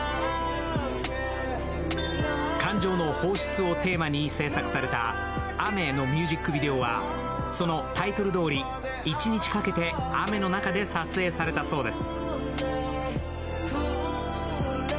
感情の放出をテーマに制作された「雨」のミュージックビデオはそのタイトルどおり一日かけて雨の中で撮影されたそうです。